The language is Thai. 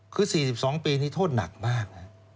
คือ๔๒ปีนี้โทษหนักมาก